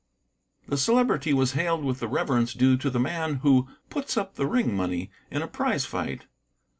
The Celebrity was hailed with the reverence due to the man who puts up the ring money in a prize fight.